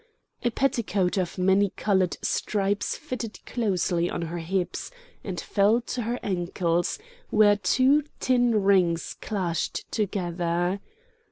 A petticoat of many coloured stripes fitted closely on her hips, and fell to her ankles, where two tin rings clashed together.